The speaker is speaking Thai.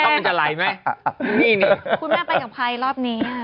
คุณแม่ไปกับพัยรอบนี้